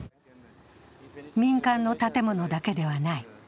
民間の建物だけではない。